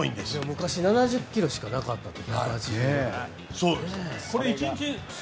昔７０ｋｇしかなかったんですね。